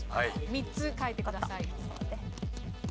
３つ書いてください。